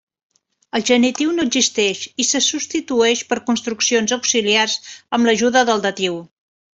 El genitiu no existeix, i se substitueix per construccions auxiliars amb l'ajuda del datiu.